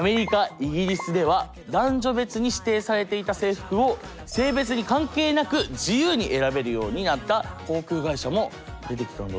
イギリスでは男女別に指定されていた制服を性別に関係なく自由に選べるようになった航空会社も出てきたんだって。